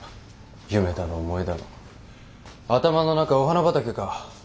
夢だの思いだの頭の中お花畑か。